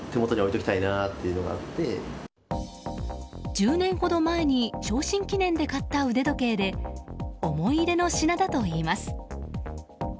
１０年ほど前に昇進記念で買った腕時計で思い入れの品だといいます。